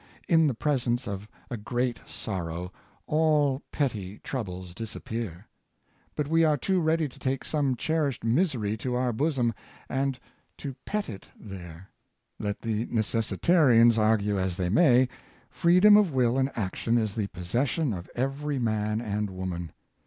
In the presence of a great sor sow, all petty troubles disappear; but we are too ready to take some cherished misery to our bosom, and to pet it there. Let the necessitarians argue as they may, freedom of will and action is the possession of every man and woman.